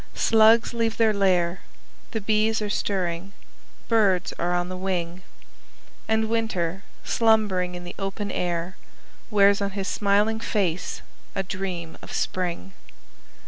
Slugs leave their lair— The bees are stirring—birds are on the wing— And Winter, slumbering in the open air, Wears on his smiling face a dream of Spring!